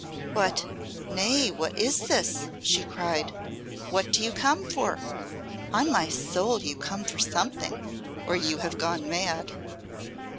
"What nay, what is this?" she cried. "What do you come for? On my soul, you come for something or you have gone mad."